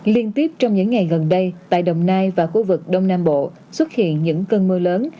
liên tiếp trong những ngày gần đây tại đồng nai và khu vực đông nam bộ xuất hiện những cơn mưa lớn